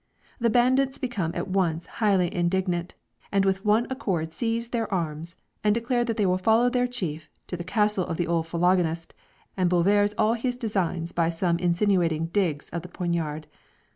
The bandits become at once highly indignant, and with one accord seize their arms and declare that they will follow their chief to the castle of the old phylogynist, and boulversé all his designs by some insinuating digs of the poignard.